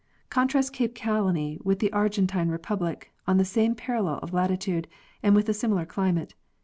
Contrast Cape Colony with the Argentine republic, on the same parallel of latitude and with a similar climate.